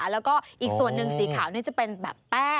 แล้วก็อีกส่วนหนึ่งสีขาวนี่จะเป็นแบบแป้